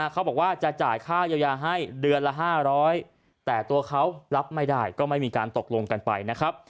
เขาบอกว่าจะจ่ายค่าเยียวยาให้เดือนละ๕๐๐แต่ตัวเขารับไม่ได้ก็ไม่มีการตกลงกันไปนะครับ